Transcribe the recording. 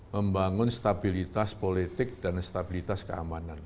membangun stabilitas politik dan stabilitas keamanan